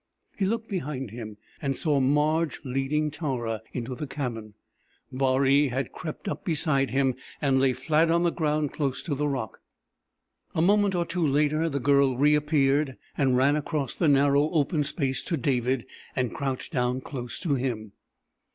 He looked behind him and saw Marge leading Tara into the cabin. Baree had crept up beside him and lay flat on the ground close to the rock. A moment or two later the Girl reappeared and ran across the narrow open space to David, and crouched down close to him.